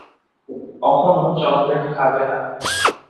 কখনও চকলেট খাবে না।